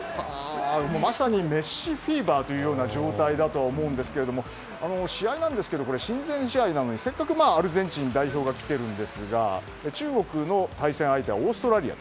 まさにメッシフィーバーという状態だと思いますが試合ですが親善試合なのでせっかくアルゼンチン代表が来ているんですが中国の対戦相手はオーストラリア。